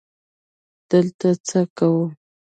_دلته څه کوو؟